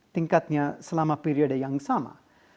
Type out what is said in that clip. tingkatnya selama periode yang sama